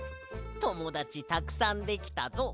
ともだちたくさんできたぞ。